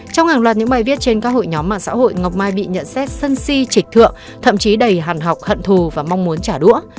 trong hàng loạt những bài viết trên các hội nhóm mạng xã hội ngọc mai bị nhận xét sân si trịch thượng thậm chí đầy hàn học hận thù và mong muốn trả đũa